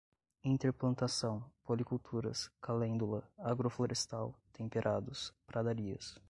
interplantação, policulturas, calêndula, agroflorestal, temperados, pradarias